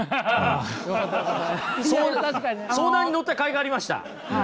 相談に乗ったかいがありました。